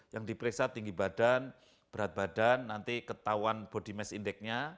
yang diperiksa tinggi badan berat badan nanti ketahuan body mass index nya